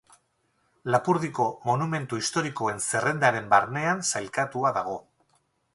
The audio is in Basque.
Lapurdiko monumentu historikoen zerrendaren barnean sailkatua dago.